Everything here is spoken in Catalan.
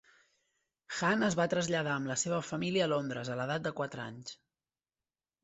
Khan es va traslladar amb la seva família a Londres, a l'edat de quatre anys.